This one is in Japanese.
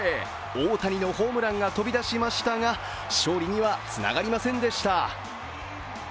大谷のホームランが飛び出しましたが勝利にはつながりませんでした。